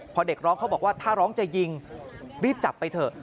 พอเด็กร้องเขาบอกว่าถ้าร้องจะยิงรีบจับไปเถอะ